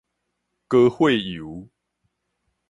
高血油